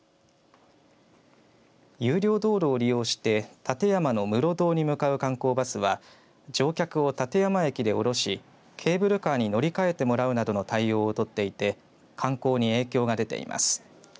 有料道路を利用して立山の室堂に向かう観光バスは乗客を立山駅で降ろしケーブルカーに乗り換えてもらうなどの対応をとっていて観光に影響が出ています。